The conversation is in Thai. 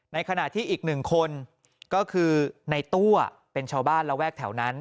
ในขณะที่อีกหนึ่งคนก็คือในตัวเป็นชาวบ้านระแวกแถวนั้น